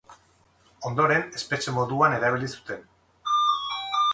Ondoren espetxe moduan erabili zuten.